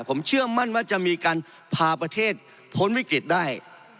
ผมเชื่อมั่นว่าจะมีการพาประเทศพ้นวิกฤตได้